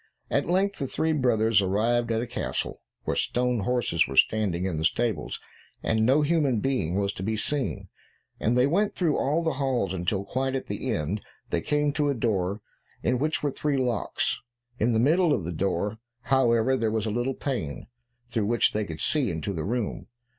At length the three brothers arrived at a castle where stone horses were standing in the stables, and no human being was to be seen, and they went through all the halls until, quite at the end, they came to a door in which were three locks. In the middle of the door, however, there was a little pane, through which they could see into the room.